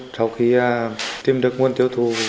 sau khi tìm được nguồn tiêu thù